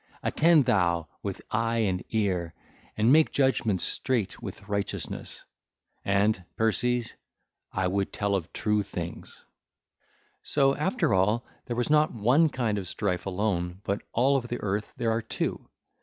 Attend thou with eye and ear, and make judgements straight with righteousness. And I, Perses, would tell of true things. (ll. 11 24) So, after all, there was not one kind of Strife alone, but all over the earth there are two.